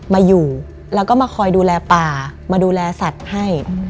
มาอยู่แล้วก็มาคอยดูแลป่ามาดูแลสัตว์ให้